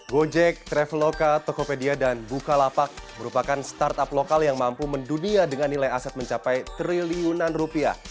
gojek traveloka tokopedia dan bukalapak merupakan startup lokal yang mampu mendunia dengan nilai aset mencapai triliunan rupiah